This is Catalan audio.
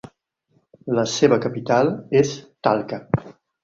La seva capital és Talca.